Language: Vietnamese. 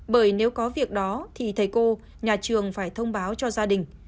bởi nếu có việc đó thì thầy cô nhà trường phải thông báo cho gia đình